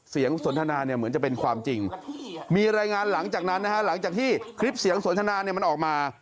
สนทนาเนี่ยเหมือนจะเป็นความจริงมีรายงานหลังจากนั้นนะฮะหลังจากที่คลิปเสียงสนทนาเนี่ยมันออกมา